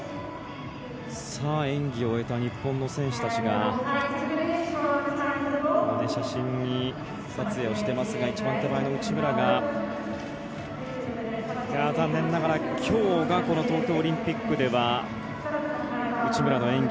演技を終えた日本の選手たちが写真撮影をしていますが一番手前の内村が残念ながらきょうが東京オリンピックでは内村の演技